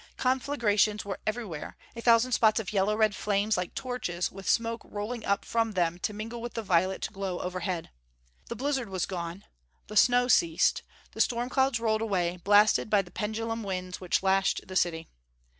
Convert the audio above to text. Conflagrations were everywhere a thousand spots of yellow red flames, like torches, with smoke rolling up from them to mingle with the violet glow overhead. The blizzard was gone. The snow ceased. The storm clouds rolled away, blasted by the pendulum winds which lashed the city.